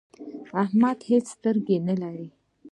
احمد هيڅ سترګې نه لري.